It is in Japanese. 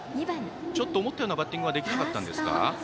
思ったようなバッティングができなかったですか？